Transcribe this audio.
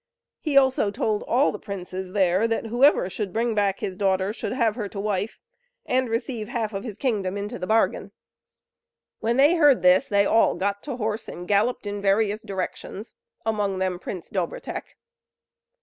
He also told all the princes there that whoever should bring back his daughter should have her to wife, and receive half of his kingdom into the bargain. When they heard this they all got to horse, and galloped in various directions; among them Prince Dobrotek.